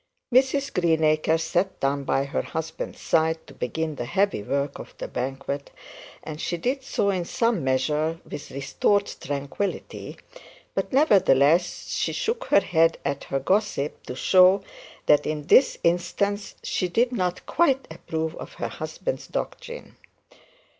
Mrs Greenacre sat down by her husband's side to begin the heavy work of the banquet, and she did so in some measure of restored tranquillity, but nevertheless she shook her head at her gossip to show that in this instance she did not quite approve of her husband's doctrine.